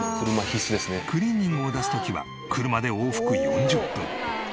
クリーニングを出す時は車で往復４０分。